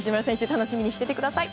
楽しみにしていてください。